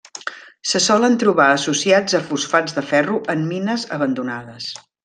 Se solen trobar associats a fosfats de ferro en mines abandonades.